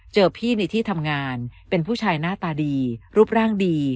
เจอพี่ในที่ทำงานเป็นผู้ชายหน้าตาดีรูปร่างดี